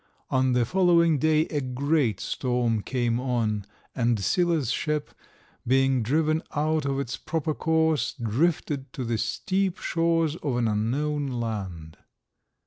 On the following day a great storm came on, and Sila's ship, being driven out of its proper course, drifted to the steep shores of an unknown land.